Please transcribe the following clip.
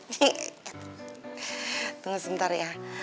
hehehe tunggu sebentar ya